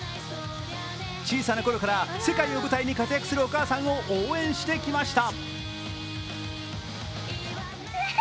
小さな頃から世界を舞台に活躍するお母さんを応援してきました。